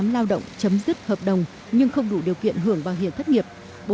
một ba trăm tám mươi tám lao động chấm dứt hợp đồng nhưng không đủ điều kiện hưởng bảo hiểm thất nghiệp